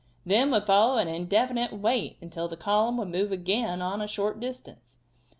Then would follow an indefinite wait until the column would again move on a short distance.